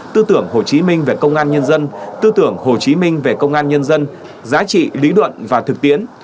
tư tưởng hồ chí minh về công an nhân dân tư tưởng hồ chí minh về công an nhân dân giá trị lý luận và thực tiễn